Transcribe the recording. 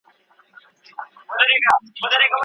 ولي کوښښ کوونکی د هوښیار انسان په پرتله بریا خپلوي؟